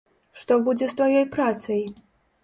Што будзе з тваёй працай?